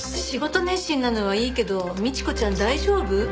仕事熱心なのはいいけど倫子ちゃん大丈夫？